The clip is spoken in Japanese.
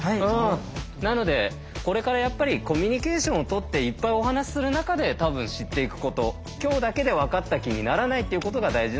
なのでこれからやっぱりコミュニケーションをとっていっぱいお話しする中で多分知っていくこと今日だけでわかった気にならないっていうことが大事なのかな。